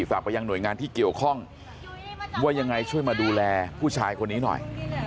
ฝากไปยังหน่วยงานที่เกี่ยวข้องว่ายังไงช่วยมาดูแลผู้ชายคนนี้หน่อย